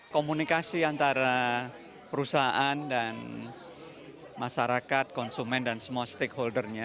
komunikasi antara perusahaan dan masyarakat konsumen dan semua stakeholdernya